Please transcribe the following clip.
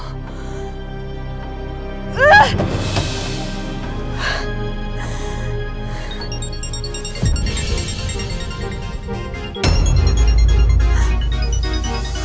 gak usah pura pura